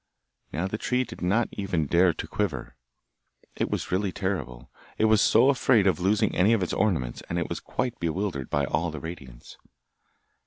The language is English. Now the tree did not even dare to quiver. It was really terrible! It was so afraid of losing any of its ornaments, and it was quite bewildered by all the radiance.